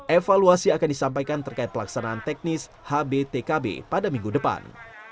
evaluasi akan disampaikan terkait pelaksanaan teknis hbtkb pada minggu depan